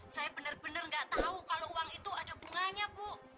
saya benar benar nggak tahu kalau uang itu ada bunganya bu